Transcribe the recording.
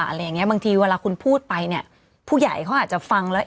อะไรอย่างเงี้บางทีเวลาคุณพูดไปเนี่ยผู้ใหญ่เขาอาจจะฟังแล้ว